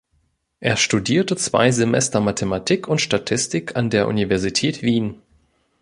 Er studierte zwei Semester Mathematik und Statistik an der Universität Wien.